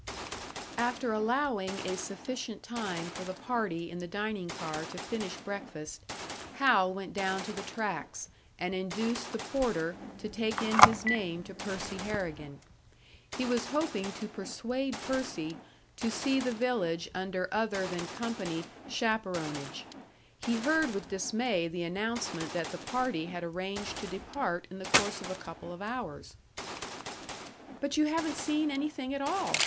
After allowing a sufficient time for the party in the dining car to finish breakfast, Hal went down to the tracks, and induced the porter to take in his name to Percy Harrigan. He was hoping to persuade Percy to see the village under other than company chaperonage; he heard with dismay the announcement that the party had arranged to depart in the course of a couple of hours. "But you haven't seen anything at all!"